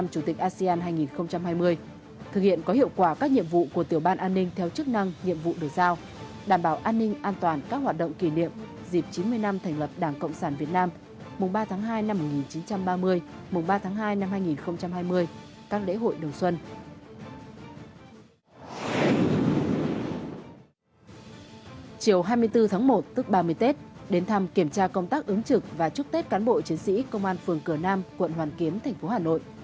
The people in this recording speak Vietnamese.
chiều hai mươi bốn tháng một tức ba mươi tết đến thăm kiểm tra công tác ứng trực và chúc tết cán bộ chiến sĩ công an phường cửa nam quận hoàn kiếm tp hà nội